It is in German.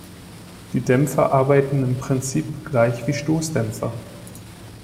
Die Dämpfer arbeiten im Prinzip gleich wie Stoßdämpfer.